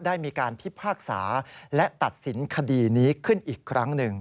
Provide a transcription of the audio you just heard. ได้มีการพิพากษาและตัดสินคดีนี้ขึ้นอีกครั้งหนึ่ง